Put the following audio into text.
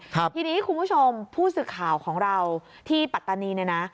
ทีนี้คุณผู้ชมผู้สื่อข่าวของเราที่ปัตตานีเนี่ยนะ